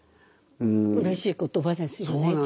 うれしい言葉ですよね。